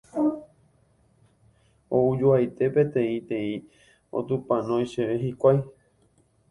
Oujoaite peteĩteĩ otupãnói chéve hikuái.